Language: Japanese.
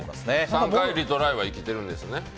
３回リトライは生きてるんですね？